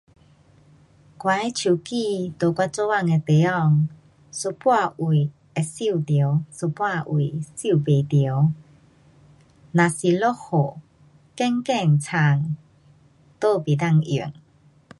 我的手机在我做工的地方，有半位会收到，有半位收不到，若是落雨，更更惨。